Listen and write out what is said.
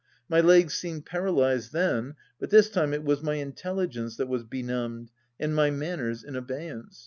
My legs seemed paralysed then, but this time it was my intelligence that was benumbed and my manners in abeyance.